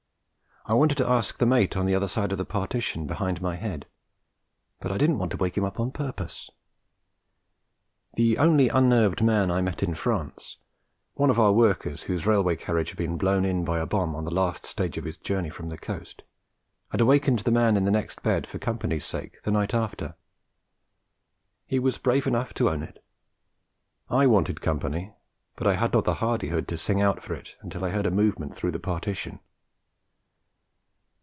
I wanted to ask the mate, on the other side of the partition behind my head; but I didn't want to wake him up on purpose. The only unnerved man I met in France, one of our workers whose railway carriage had been blown in by a bomb on the last stage of his journey from the coast, had awakened the man in the next bed for company's sake the night after. He was brave enough to own it. I wanted company, but I had not the hardihood to sing out for it until I heard a movement through the partition.